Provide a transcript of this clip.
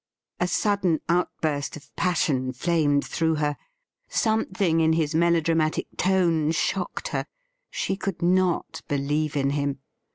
A sudden outburst of passion flamed through her. Some thin »■ in his melodramatic tone shocked her. She could not believe in him.